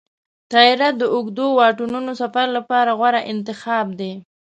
طیاره د اوږدو واټنونو سفر لپاره غوره انتخاب دی.